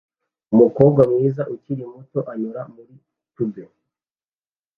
Umukobwa mwiza ukiri muto anyura muri tube